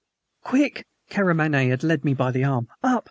"Quick!" Karamaneh had me by the arm. "Up!